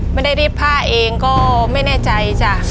ไม่ได้รีบผ้าเองก็ไม่แน่ใจจ้ะ